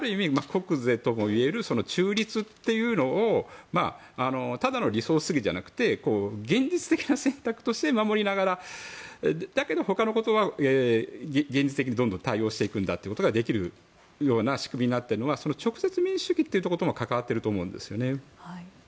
国是ともいえる中立というのをただの理想主義じゃなくて現実的な選択として守りながらだけど他のことは現実的にどんどん対応していくということができるような仕組みになってるのは直接民主主義というところとも関わっていると思うんですね。